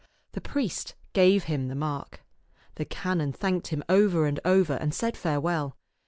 The priest gave him the mark. The canon thanked him over and over, and said farewell.